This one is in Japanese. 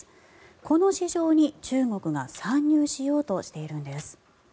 この市場に中国が参入しようとしているんです。